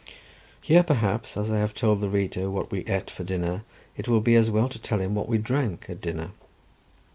Here, perhaps, as I have told the reader what we ate for dinner, it will be as well to tell him what we drank at dinner.